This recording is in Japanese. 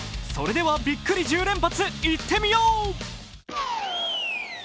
それでは、ビックリ１０連発いってみよう！